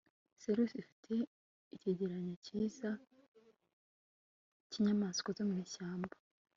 sirus ifite icyegeranyo cyiza cyinyamaswa zo mwishyamba